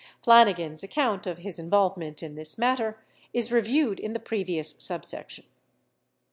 Flanigan's account of his involvement in this matter is reviewed in the previous subsection.